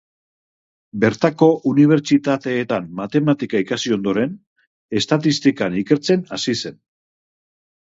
Bertako unibertsitateetan matematika ikasi ondoren, estatistikan ikertzen hasi zen.